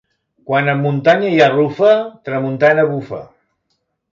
Quan a muntanya hi ha rufa, tramuntana bufa.